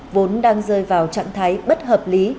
vốn đang rơi vào trạng thái bất hợp lý